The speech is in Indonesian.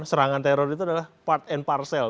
serangan teror itu adalah part and parcel